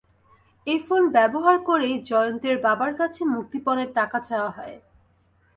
এই ফোন ব্যবহার করেই জয়ন্তের বাবার কাছে মুক্তিপণের টাকা চাওয়া হয়।